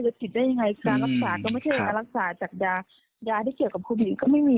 ผิดได้ยังไงการรักษาก็ไม่ใช่การรักษาจากยายาที่เกี่ยวกับโควิดก็ไม่มี